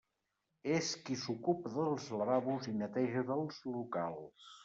És qui s'ocupa dels lavabos i neteja dels locals.